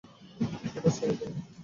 ওটা ছেড়ে দাও!